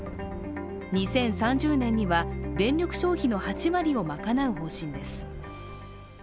２０３０年には電力消費の８割を賄う方針です。